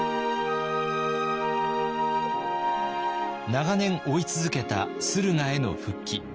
長年追い続けた駿河への復帰。